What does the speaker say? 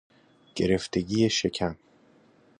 گرفتگی شکم